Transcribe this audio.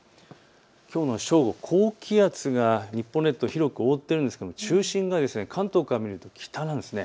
きょうの正午、高気圧が日本列島、広く覆っているんですけれども中心が関東から見ると北なんです。